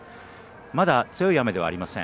まだ強い雨ではありません。